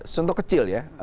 contoh kecil ya